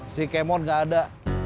si kemon nggak ada